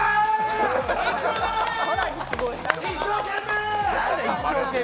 一生懸命！